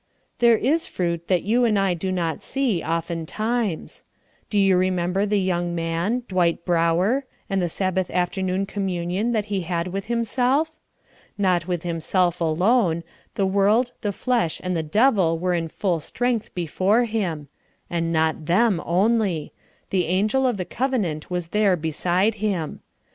There is fruit that you and I do not see, oftentimes. Do you remember the young man, Dwight Brower, and the Sabbath afternoon communion that he had with himself? Not with himself alone; the world, the flesh, and the devil were in full strength before him; and not them only the angel of the covenant was there beside him.